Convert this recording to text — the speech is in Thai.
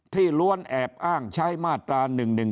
ล้วนแอบอ้างใช้มาตรา๑๑๒